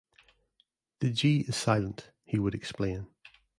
The "G" is silent, he would explain.